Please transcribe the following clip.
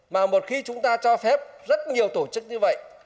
mà một khi chúng ta cho phép rất nhiều tổ chức như vậy